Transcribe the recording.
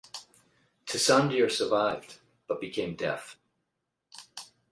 Tissandier survived, but became deaf.